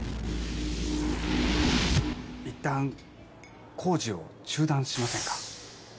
いったん工事を中断しませんか？